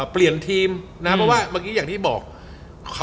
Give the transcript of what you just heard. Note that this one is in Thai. เปลี่ยนทีมนะเพราะว่าเมื่อกี้อย่างที่บอก